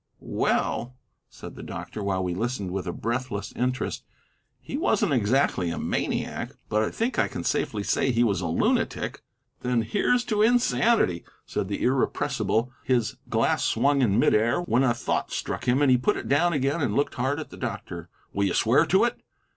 "Well," said the doctor, while we listened with a breathless interest, "he wasn't exactly a maniac, but I think I can safely say he was a lunatic." "Then here's to insanity!" said the irrepressible, his glass swung in mid air, when a thought struck him, and he put it down again and looked hard at the doctor. "Will you swear to it?"